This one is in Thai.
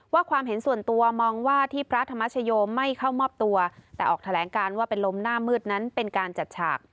ความเห็นส่วนตัวมองว่าที่พระธรรมชโยไม่เข้ามอบตัวแต่ออกแถลงการว่าเป็นลมหน้ามืดนั้นเป็นการจัดฉาก